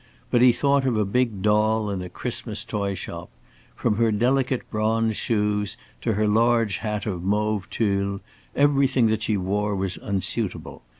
But he thought of a big doll in a Christmas toy shop. From her delicate bronze shoes to her large hat of mauve tulle everything that she wore was unsuitable.